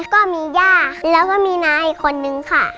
ก็มีย่าแล้วก็มีน้าอีกคนนึงค่ะ